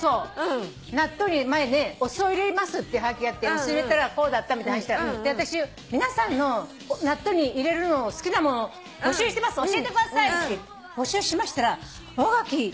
納豆に前ねお酢を入れますっていうはがきがあってお酢入れたらこうだったみたいな話した私皆さんの納豆に入れるの好きなもの募集してます教えてくださいって募集しましたらおはがきお便りが。